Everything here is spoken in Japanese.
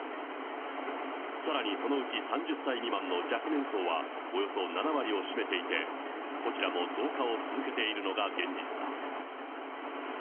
さらにそのうち３０歳未満の若年層はおよそ７割を占めていて、こちらも増加を続けているのが現実だ。